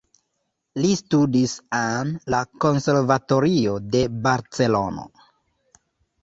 Li studis en la Konservatorio de Barcelono.